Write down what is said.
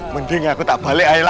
mending aku tak balik air